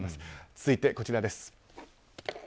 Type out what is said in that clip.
続いて、こちらです。